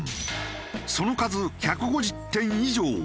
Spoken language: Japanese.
その数１５０点以上。